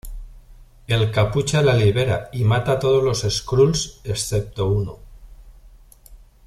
El Capucha la libera y mata a todos los Skrulls excepto uno.